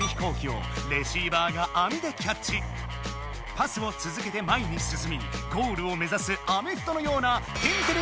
パスをつづけて前にすすみゴールを目ざすアメフトのような「天てれ」